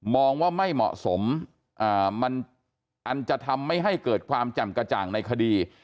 ว่าไม่เหมาะสมมันอันจะทำให้เกิดความแจ่มกระจ่างในคดี